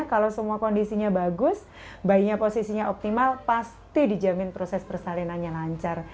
kalau semua kondisinya bagus bayinya posisinya optimal pasti dijamin proses persalinannya lancar